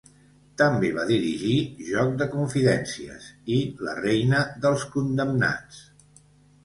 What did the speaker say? També va dirigir "Joc de confidències" i "La reina dels condemnats"